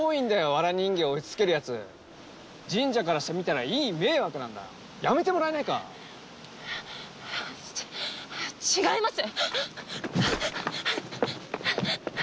わら人形打ちつけるやつ神社からしてみたらいい迷惑なんだやめてもらえないか違います